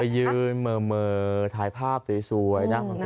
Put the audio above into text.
ไปยืนเมอร์ถ่ายภาพสวยนะ